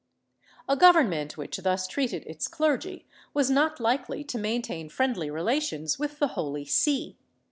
A government which thus treated its clergy was not likel\ to maintain friendly relations with the Holy See.